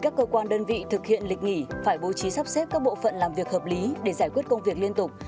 các cơ quan đơn vị thực hiện lịch nghỉ phải bố trí sắp xếp các bộ phận làm việc hợp lý để giải quyết công việc liên tục